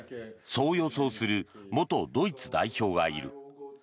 そう予想する元ドイツ代表がいる。